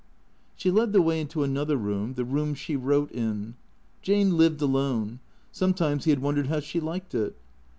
She led the way into another room, the room she wrote in. Jane lived alone. Sometimes he had wondered how she liked it.